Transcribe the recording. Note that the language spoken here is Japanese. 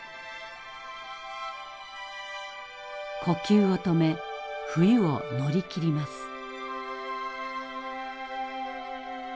呼吸を止め冬を乗り切ります。